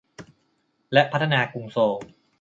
และพัฒนากรุงโซล